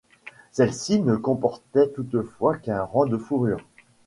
Celle-ci ne comportait toutefois qu'un rang de fourrure.